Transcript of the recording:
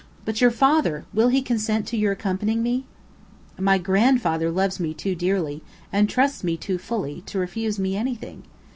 But your father will he consent to your accompanying me?" "My grandfather loves me too dearly, and trusts me too fully, to refuse me anything.